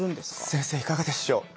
先生いかがでしょう？